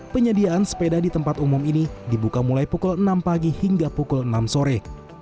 penyediaan sepeda di tempat umum ini dibuka mulai pukul enam pagi hingga pukul enam sore